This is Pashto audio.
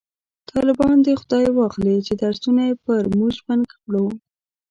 طالبان دی خداي واخلﺉ چې درسونه یې په موژ بند کړو